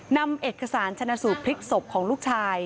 นำเอกสารชนะสูตรพลิกศพของลูกชาย